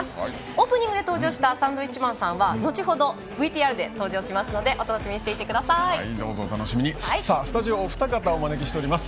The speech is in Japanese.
オープニングで登場したサンドウィッチマンさんは後ほどＶＴＲで登場しますのでスタジオお二方お招きしております。